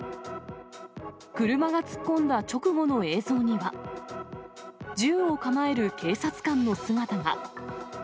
車が突っ込んだ直後の映像には、銃を構える警察官の姿が。